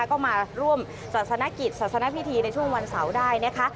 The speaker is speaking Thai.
ก็มาร่วมศาสนกิจศาสนพิธีในช่วงวันเสาร์ได้นะคะ